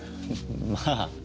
まあ。